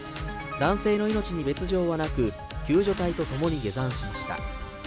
男性の命に別状はなく、救助隊と共に下山しました。